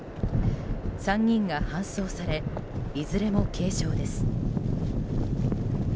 ３人が搬送されいずれも軽傷です。